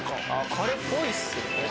カレーっぽいっすよね。